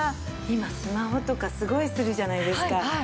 今スマホとかすごいするじゃないですか。